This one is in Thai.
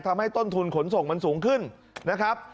ต้นทุนขนส่งมันสูงขึ้นนะครับ